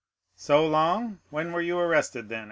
"So long?—when were you arrested, then?"